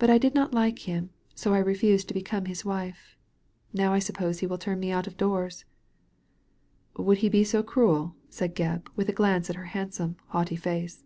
But I did not like him, so I refused to become his wife. Now I suppose he will turn me out of doors." " Would he be so cruel ?" said Gebb, with a glance at her handsome, haughty face.